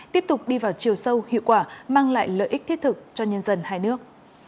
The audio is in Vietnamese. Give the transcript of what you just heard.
tiếp tục đi vào chiều sâu hiệu quả mang lại lợi ích thiết thực cho nhân dân hai nước